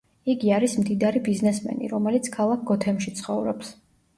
იგი არის მდიდარი ბიზნესმენი, რომელიც ქალაქ გოთემში ცხოვრობს.